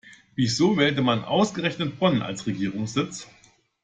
Wieso wählte man ausgerechnet Bonn als Regierungssitz?